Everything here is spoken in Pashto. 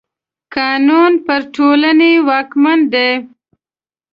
قانون پر ټولني واکمن دی.